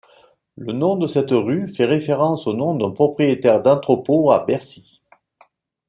Le nom de cette rue fait référence au nom d'un propriétaire d'entrepôts à Bercy.